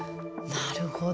なるほど。